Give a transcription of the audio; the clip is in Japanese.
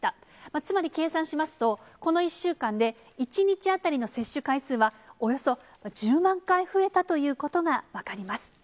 つまり、計算しますと、この１週間で、１日当たりの接種回数はおよそ１０万回増えたということが分かります。